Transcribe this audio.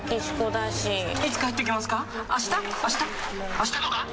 あしたとか？